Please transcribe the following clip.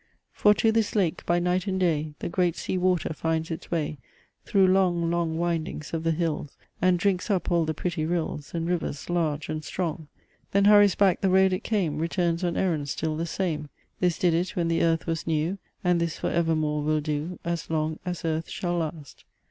For to this lake, by night and day, The great Sea water finds its way Through long, long windings of the hills, And drinks up all the pretty rills And rivers large and strong: Then hurries back the road it came Returns on errand still the same; This did it when the earth was new; And this for evermore will do, As long as earth shall last.